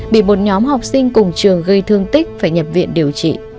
bị một nhóm học sinh cùng trường gây thương tích phải nhập viện điều trị